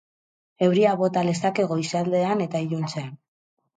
Euria bota lezake goizaldean eta iluntzean.